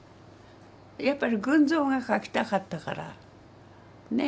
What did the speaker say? やっぱり群像が描きたかったからね。